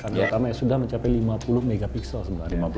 kamera utama ya sudah mencapai lima puluh mp sebenarnya